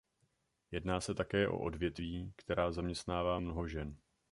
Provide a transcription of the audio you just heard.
Jedná se také o odvětví, která zaměstnává mnoho žen.